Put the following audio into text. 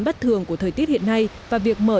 bất thường của thời tiết hiện nay và việc mở